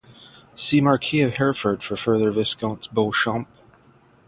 See Marquess of Hertford for further Viscounts Beauchamp.